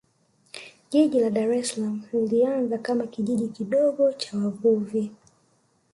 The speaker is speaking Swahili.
jiji la dar es salaam lilianza kama kijiji kidogo cha wavuvi